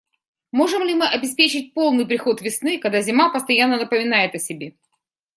Можем ли мы обеспечить полный приход весны, когда зима постоянно напоминает о себе?